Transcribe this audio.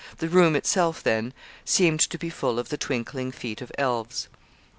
The room itself, then, seemed to be full of the twinkling feet of elves.